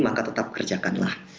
maka tetap kerjakanlah